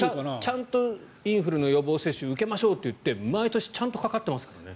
ちゃんとインフルの予防接種を受けましょうと言って毎年ちゃんとかかってますからね。